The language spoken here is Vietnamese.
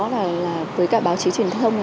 là với cả báo chí truyền thông